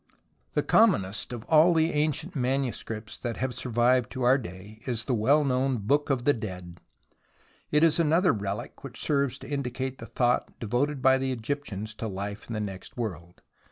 The commonest of all the ancient manuscripts that have survived to our day is the well known Book of the Dead. It is another relic which serves to indicate the thought devoted by the Egyptians to life in the next world.